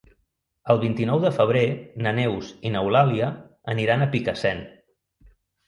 El vint-i-nou de febrer na Neus i n'Eulàlia aniran a Picassent.